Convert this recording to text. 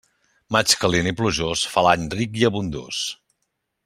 Maig calent i plujós fa l'any ric i abundós.